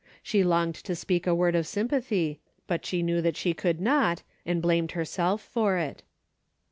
She longed to speak a word of sympathy, but knew that she could not, and blamed herself for it.